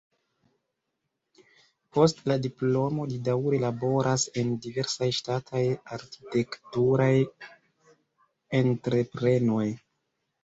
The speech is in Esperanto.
Post la diplomo li daŭre laboras en diversaj ŝtataj arkitekturaj entreprenoj.